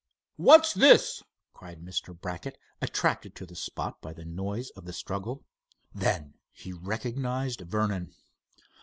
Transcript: "What's this?" cried Mr. Brackett, attracted to the spot by the noise of the struggle. Then he recognized Vernon.